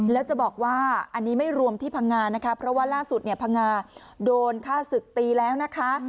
แล้วจะบอกว่าอันนี้ไม่รวมที่พังงานะคะเพราะว่าล่าสุดเนี่ยพังงาโดนฆ่าศึกตีแล้วนะคะ